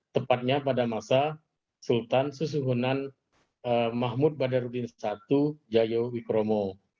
tepatnya pada masa sultan susuhunan mahmud badarudin i jayawikromo